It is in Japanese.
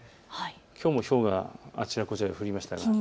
きょうもひょうがあちらこちらで降りました。